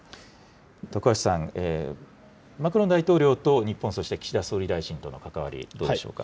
徳橋さん、マクロン大統領と日本、そして岸田総理大臣との関わり、どうでしょうか。